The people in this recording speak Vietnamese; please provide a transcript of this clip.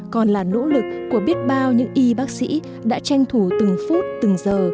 còn là nỗ lực của biết bao những y bác sĩ đã tranh thủ từng phút từng giờ